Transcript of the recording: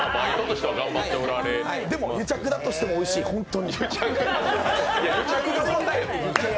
でも、癒着だとしてもおいしい、本当に。